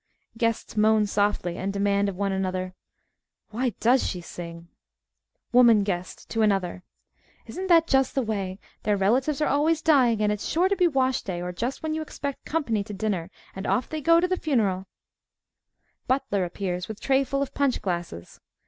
(Guests moan softly and demand of one another, Why does she sing?) WOMAN GUEST (to another) Isn't that just the way? their relatives are always dying, and it's sure to be wash day or just when you expect company to dinner, and off they go to the funeral (Butler _appears with trayful of punch glasses.